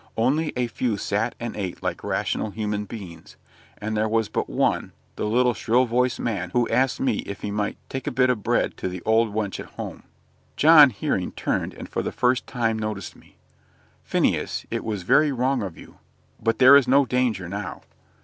Only a few sat and ate like rational human beings; and there was but one, the little, shrill voiced man, who asked me if he might "tak a bit o' bread to the old wench at home?" John, hearing, turned, and for the first time noticed me. "Phineas, it was very wrong of you; but there is no danger now."